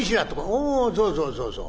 「おそうそうそうそう。